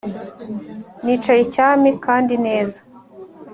Nicaye cyami kandi neza